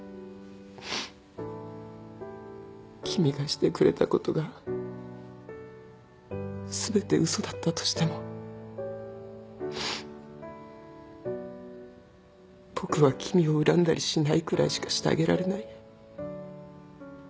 君がしてくれたことが全て嘘だったとしても僕は君を恨んだりしないくらいしかしてあげられない。